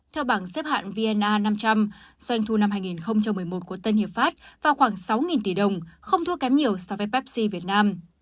theo bảng xếp hạng vna năm trăm linh doanh thu năm hai nghìn một mươi một của tân hiệp pháp vào khoảng sáu tỷ đồng không thua kém nhiều so với ppsi việt nam